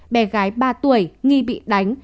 bé gái ba tuổi nghi bị đánh